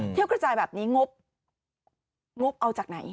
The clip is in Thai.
เที่ยวกระจายแบบนี้งบเอาจากไหน